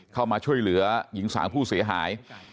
เข้ามาช่วยเหลือหญิงสาวผู้เสียหาย